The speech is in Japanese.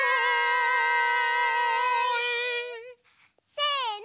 せの。